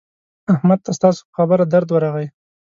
احمد ته ستاسو په خبره درد ورغی.